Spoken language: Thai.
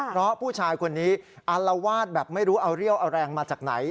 เพราะผู้ชายคนนี้อารวาสแบบไม่รู้เอาเรี่ยวเอาแรงมาจากไหน